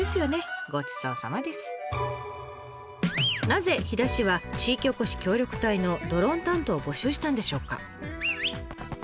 なぜ飛騨市は地域おこし協力隊のドローン担当を募集したんでしょうか？